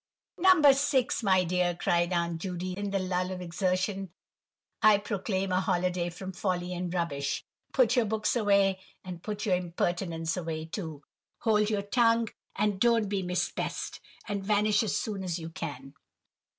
"No. 6, my dear," cried Aunt Judy, in the lull of exertion, "I proclaim a holiday from folly and rubbish. Put your books away, and put your impertinence away too. Hold your tongue, and don't be Miss Pest; and vanish as soon as you can."